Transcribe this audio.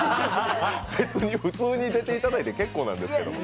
別に普通に出ていただいて結構なんですけれども。